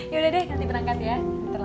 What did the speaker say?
yaudah deh nanti berangkat ya